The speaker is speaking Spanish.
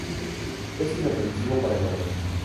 Es inofensivo para el hombre.